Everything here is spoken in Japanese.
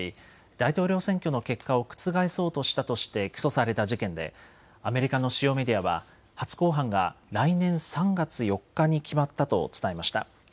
大統領選挙の結果を覆そうとしたとして起訴された事件でアメリカの主要メディアは初公判が来年３月４日に決まったと伝えました。